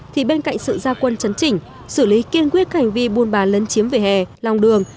thì bên cạnh sự gia quân chấn chỉnh xử lý kiên quyết hành vi buôn bán lấn chiếm vỉa hè lòng đường